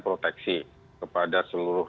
proteksi kepada seluruh